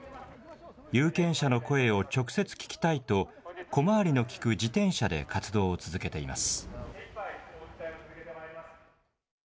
有権者の声を直接聞きたいと、小回りのきく自転車で活動を続けています。